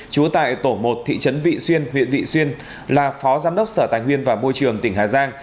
chú tại tổ một thị trấn vị xuyên huyện vị xuyên là phó giám đốc sở tài nguyên và môi trường tỉnh hà giang